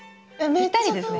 ぴったりですね。